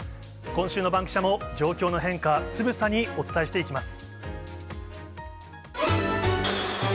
今週のバンキシャも、状況の変化、つぶさにお伝えしていきます。